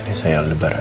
ini saya aldebaran